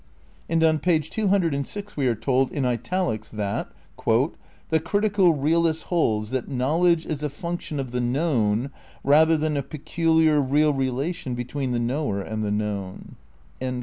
And on page two hundred and six we are told, in italics, that "the critical realist holds that knowledge is a function of the known rather than a peculiar, real relation between the knower and the known."